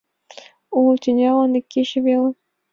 Уло тӱнялан ик кече веле